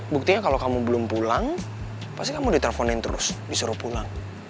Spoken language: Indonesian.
buktinya kalau kamu belum pulang pasti kamu diteleponin terus disuruh pulang